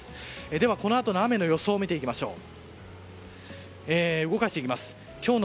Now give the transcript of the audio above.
ではこのあとの雨の予想を見ていきましょう。